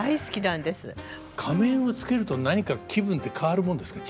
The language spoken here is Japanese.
仮面をつけると何か気分て変わるもんですか？